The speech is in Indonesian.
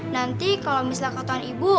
nanti kalau misalnya ketahuan ibu